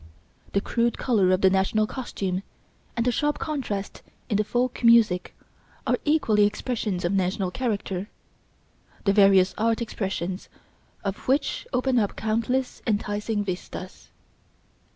The crude colour of the national costume and the sharp contrast in the folk music are equally expressions of national character, the various art expressions of which open up countless enticing vistas.